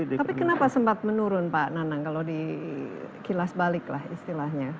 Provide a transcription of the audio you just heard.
tapi kenapa sempat menurun pak nanang kalau di kilas balik lah istilahnya